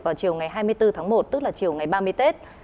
vào chiều ngày hai mươi bốn tháng một tức là chiều ngày ba mươi tết